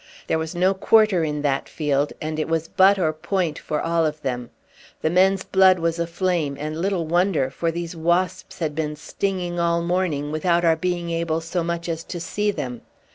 There was no quarter in that field, and it was butt or point for all of them. The men's blood was aflame, and little wonder, for these wasps had been stinging all morning without our being able so much as to see them.